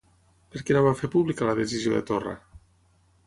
Per què no va fer pública la decisió de Torra?